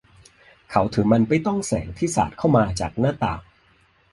เขาถือมันไปต้องแสงที่สาดเข้ามาจากหน้าต่าง